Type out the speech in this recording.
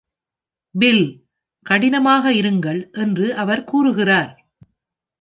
"Bill, கடினமாக இருங்கள்," என்று அவர் கூறுகிறார்.